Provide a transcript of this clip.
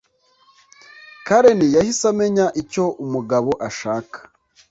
Karen yahise amenya icyo umugabo ashaka